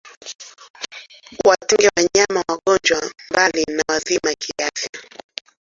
Watenge wanyama wagonjwa mbali na wazima kiafya